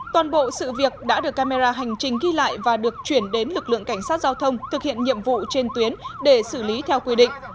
toàn bộ sự việc đã được camera hành trình ghi lại và được chuyển đến lực lượng cảnh sát giao thông thực hiện nhiệm vụ trên tuyến để xử lý theo quy định